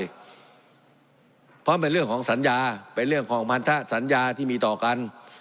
เพราะเป็นเรื่องของสัญญาเป็นเรื่องของพันธสัญญาที่มีต่อกัน